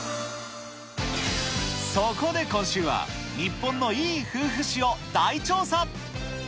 そこで今週は、日本のいい夫婦史を大調査。